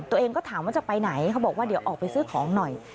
ตัวเองก็ถามว่าจะไปไหนเขาบอกว่าเดี๋ยวออกไปซื้อของหน่อย